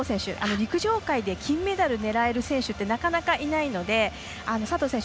陸上界で金メダルを狙える選手ってなかなかいないので佐藤選手